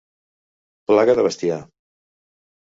Plaga de bestiar.